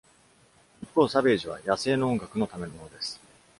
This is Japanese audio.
一方、サベージは「野生の」音楽のためのものです。